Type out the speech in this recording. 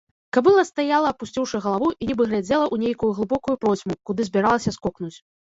Кабыла стаяла, апусціўшы галаву, і нібы глядзела ў нейкую глыбокую процьму, куды збіралася скокнуць.